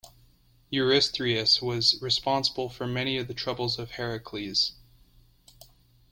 Eurystheus was responsible for many of the troubles of Heracles.